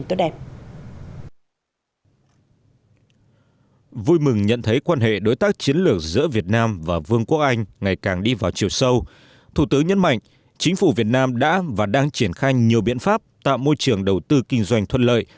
thủ tướng nhấn mạnh chính phủ việt nam đã và đang triển khai nhiều biện pháp tạo môi trường đầu tư kinh doanh thuận lợi